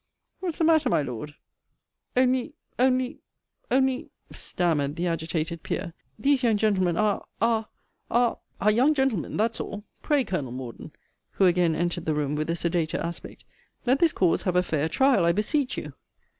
What's the matter, my Lord? Only, only, only, stammered the agitated peer, these young gentlemen are, are, are are young gentlemen, that's all. Pray, Colonel Morden, [who again entered the room with a sedater aspect,] let this cause have a fair trial, I beseech you.